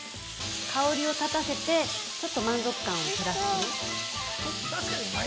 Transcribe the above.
香りを立たせてちょっと満足感をプラスする。